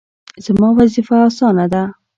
زما وظیفه اسانه ده